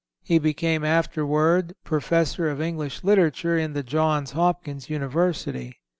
He became afterward Professor of English Literature in the Johns Hopkins University.